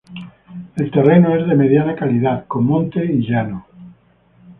El terreno es de mediana calidad, con monte y llano.